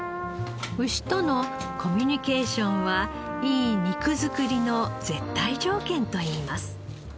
牛とのコミュニケーションはいい肉づくりの絶対条件といいます。